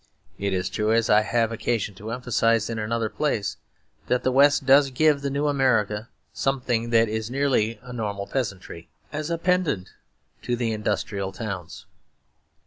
It is true, as I have occasion to emphasise in another place, that the West does give the New America something that is nearly a normal peasantry, as a pendant to the industrial towns.